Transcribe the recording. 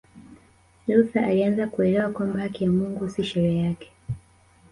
Luther alianza kuelewa kwamba haki ya Mungu si sheria yake